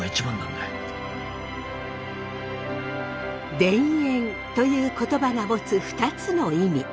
「田園」という言葉が持つ２つの意味。